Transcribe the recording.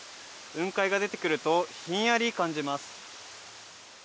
雲海が出てくると、ひんやり感じます。